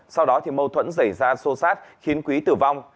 sau đó mâu thuẫn xảy ra sô sát khiến quý tử vong